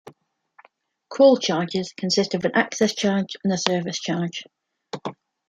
Call charges consist of an Access Charge and a Service Charge.